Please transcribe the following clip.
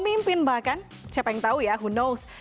jadi pemimpin bahkan siapa yang tahu ya who knows